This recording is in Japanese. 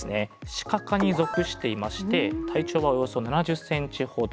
シカ科に属していまして体長はおよそ７０ｃｍほど。